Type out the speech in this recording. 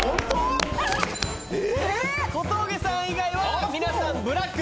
小峠さん以外は皆さんブラック。